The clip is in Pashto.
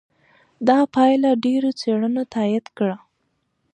دا پایله ډېرو څېړنو تایید کړه.